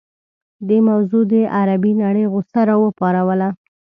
دې موضوع د عربي نړۍ غوسه راوپاروله.